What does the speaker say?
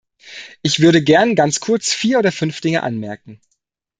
Ich würde gern ganz kurz vier oder fünf Dinge anmerken.